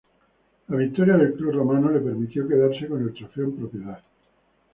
La victoria del club romano le permitió quedarse con el trofeo en propiedad.